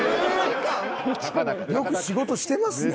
よく仕事してますね。